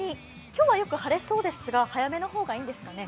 今日はよく晴れそうですが早めの方がいいんですかね？